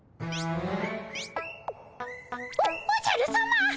おっおじゃるさま。